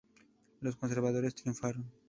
Los conservadores triunfaron.